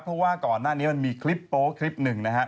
เพราะว่าก่อนหน้านี้มันมีคลิปโป๊คลิปหนึ่งนะฮะ